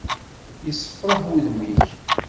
Yessefraḥ wudem-ik!